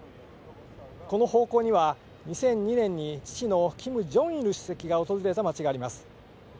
この方向には、２００２年に父のキム・ジョンイル主席が訪れた街があります。